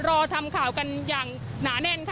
รอทำข่าวกันอย่างหนาแน่นค่ะ